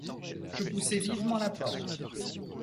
Je poussai vivement la porte.